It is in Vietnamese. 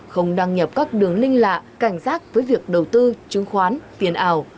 không đăng nhập các đường linh lạ cảnh giác với việc đầu tư chứng khoán tiền ảo